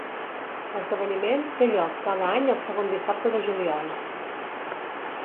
L'esdeveniment té lloc cada any el segon dissabte de juliol.